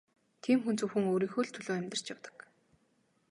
Тийм хүн зөвхөн өөрийнхөө л төлөө амьдарч явдаг.